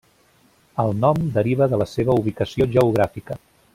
El nom deriva de la seva ubicació geogràfica.